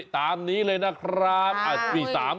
๐๙๖๖๓๖๓๙๖๑ตามนี้เลยนะครับ